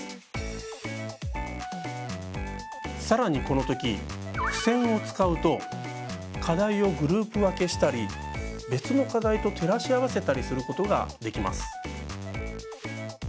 さらにこの時付せんを使うと課題をグループ分けしたり別の課題と照らし合わせたりすることができます。